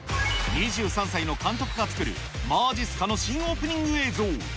２３歳の監督が作るまじっすかの新オープニング映像。